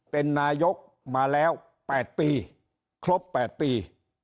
เป็นนายกมาแล้วแปดปีครบแปดปี